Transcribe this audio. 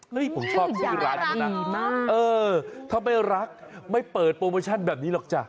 ผมชอบชื่อร้านเขานะเออถ้าไม่รักไม่เปิดโปรโมชั่นแบบนี้หรอกจ้ะ